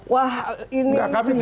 wah ini sesuatu yang itu politik ekonomi